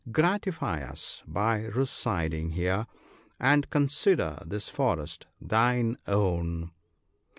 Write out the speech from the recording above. Gratify us by residing here, and consider this forest thine own."